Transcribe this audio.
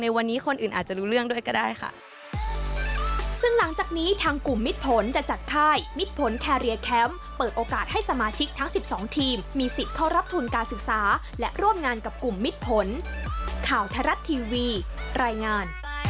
วันนี้คนอื่นอาจจะรู้เรื่องด้วยก็ได้ค่ะ